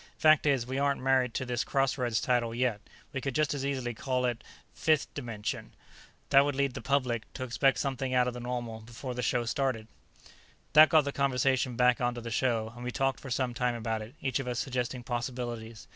"Fact is, we aren't married to this Crossroads title, yet; we could just as easily all it Fifth Dimension. That would lead the public, to expect something out of the normal before the show started." That got the conversation back onto the show, and we talked for some time about it, each of us suggesting possibilities.